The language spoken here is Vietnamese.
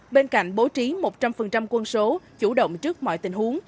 bên cạnh bố trí một trăm linh quân số chủ động trước mọi tình huống